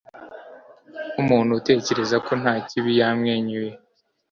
Nkumuntu utekereza ko nta kibi yamwenyuye